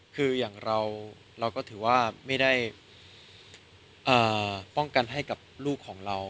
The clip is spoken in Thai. คืออย่างเราเราก็ถือว่าไม่ได้ป้องกันให้กับลูกของเรา